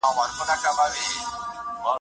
چې چا ته چا سجده ونه کړه؟